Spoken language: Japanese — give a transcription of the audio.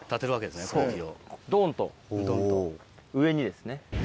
ドンと上にですね。